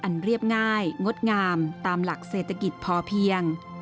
เรียบง่ายงดงามตามหลักเศรษฐกิจพอเพียง